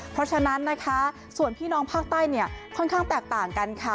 เพราะฉะนั้นนะคะส่วนพี่น้องภาคใต้เนี่ยค่อนข้างแตกต่างกันค่ะ